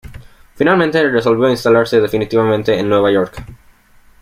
Finalmente, resolvió instalarse definitivamente en Nueva York.